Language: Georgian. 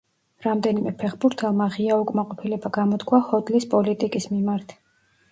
რამდენიმე ფეხბურთელმა ღია უკმაყოფილება გამოთქვა ჰოდლის პოლიტიკის მიმართ.